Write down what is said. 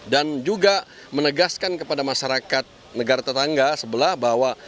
dan juga menegaskan kepada masyarakat negara tetangga sebelah bahwa